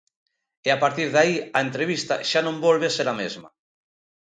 E a partir de aí, a entrevista xa non volve ser a mesma.